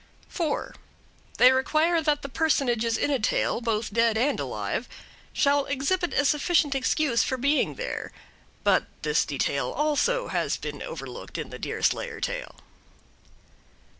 4. They require that the personages in a tale, both dead and alive, shall exhibit a sufficient excuse for being there. But this detail also has been overlooked in the Deerslayer tale.